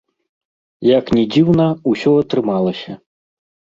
Як ні дзіўна, усё атрымалася.